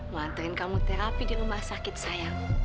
mau anterin kamu terapi di rumah sakit sayang